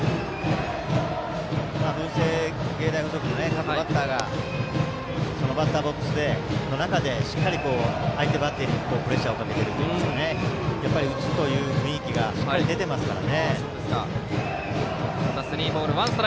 文星芸大付属の各バッターがバッターボックスの中で相手バッテリーにしっかりプレッシャーをかけているというか打つという雰囲気がしっかり出ていますから。